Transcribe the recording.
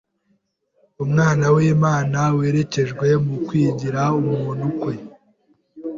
Umwana w’Imana wererejwe, mu kwigira umuntu kwe,